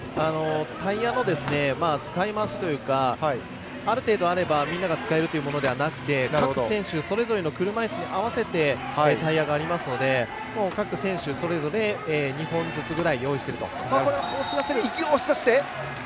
タイヤの使い回しというかある程度あればみんなが使えるというものではなくて各選手、それぞれの車いすに合わせて用意しているので各選手それぞれ２本ずつぐらい用意していると。